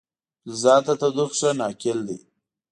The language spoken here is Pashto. فلزات د تودوخې ښه ناقل دي.